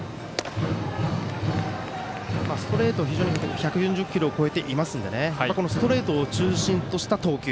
ストレート、非常に１４０キロを超えていますのでこのストレートを中心とした投球。